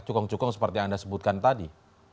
cukong cukong seperti yang anda sebutkan tadi